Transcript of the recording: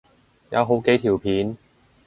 有好幾條片